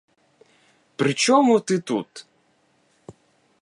При чому ти тут?